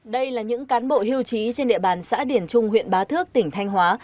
đây là những cán bộ hưu trí trên địa bàn xã điển trung huyện bá thước tỉnh thanh hóa